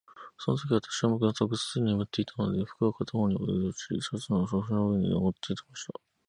そのとき、私はまだぐっすり眠っていたので、服は片方にずり落ち、シャツは腰の上に載っていました。